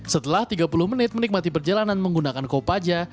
setelah tiga puluh menit menikmati perjalanan menggunakan kopaja